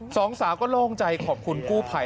สองสาวก็โล่งใจขอบคุณกู้ภัย